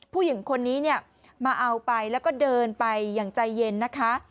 ผู้หญิงคนนี้เนี่ยมาเอาไปแล้วก็เดินไปอย่างใจเย็นนะคะ